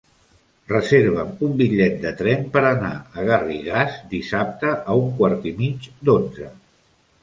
Reserva'm un bitllet de tren per anar a Garrigàs dissabte a un quart i mig d'onze.